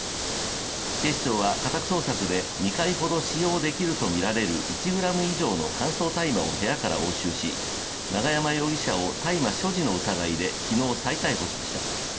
警視庁は家宅捜索で２回ほど使用できるとみられる１ｇ以上の乾燥大麻を部屋から押収し永山容疑者を大麻所持の疑いで昨日、再逮捕しました。